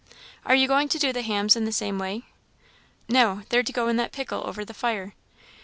"Are you going to do the hams in the same way?" "No; they're to go in that pickle over the fire."